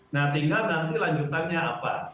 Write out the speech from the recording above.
nah tinggal nanti lanjutannya apa